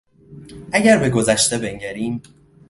اگر به گذشته بنگریم